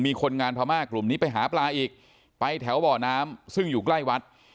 มีคนงานพม่ากลุ่มนี้ไปหาปลาอีกไปแถวบ่อน้ำซึ่งอยู่ใกล้วัด